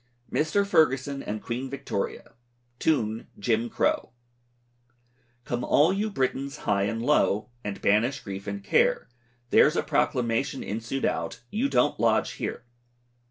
MR. FERGUSON AND QUEEN VICTORIA. TUNE "Jim Crow." Come all you Britons high and low, And banish grief and care, There's a proclamation insued out, "You don't lodge here!"